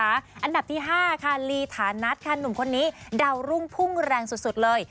อันดับที่๕ค่ะลีฐานัทค่ะหนุ่มคนนี้ดาวรุ่งพุ่งแรงสุดเลย